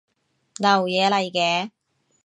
流嘢嚟嘅